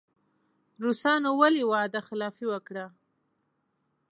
روسانو ولې وعده خلافي وکړه.